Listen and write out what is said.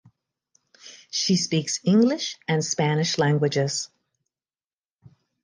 She speaks English and Spanish languages.